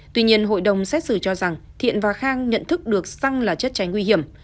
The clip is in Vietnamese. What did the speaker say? tuy nhiên hội đồng xét xử cho rằng thiện và khang nhận thức được xăng là chất cháy nguy hiểm